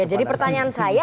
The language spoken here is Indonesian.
jadi pertanyaan saya